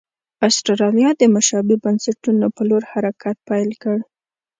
اسټرالیا د مشابه بنسټونو په لور حرکت پیل کړ.